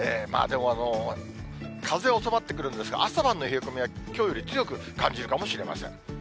でも、風収まってくるんですが、朝晩の冷え込みはきょうより強く感じるかもしれません。